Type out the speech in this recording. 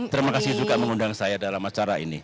terima kasih juga mengundang saya dalam acara ini